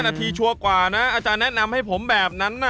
นาทีชัวร์กว่านะอาจารย์แนะนำให้ผมแบบนั้นนะ